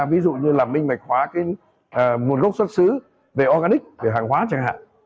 ví dụ như là minh mạch hóa nguồn gốc xuất xứ về organic hàng hóa chẳng hạn